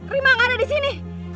rima gak ada di sini